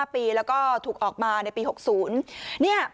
๕ปีแล้วก็ถูกออกมาในปี๖๐